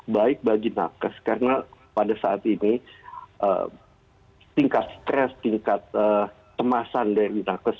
baik bagi nakes karena pada saat ini tingkat stres tingkat kemasan dari nakes